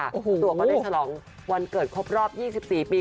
ตัวก็ได้ฉลองวันเกิดครบรอบ๒๔ปี